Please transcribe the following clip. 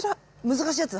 難しいやつ？